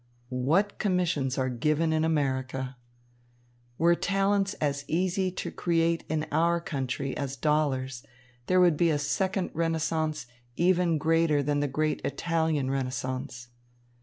What commissions are given in America! Were talents as easy to create in "our country" as dollars, there would be a second Renaissance even greater than the great Italian Renaissance.